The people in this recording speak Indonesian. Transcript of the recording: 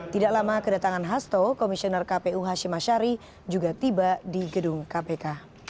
tidak lama kedatangan hasto komisioner kpu hashim ashari juga tiba di gedung kpk